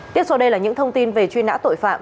tiếp sau đây là những thông tin về truy nã tội phạm